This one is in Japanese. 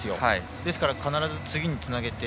ですから必ず次につなげて。